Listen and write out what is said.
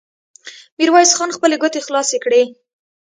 ميرويس خان خپلې ګوتې خلاصې کړې.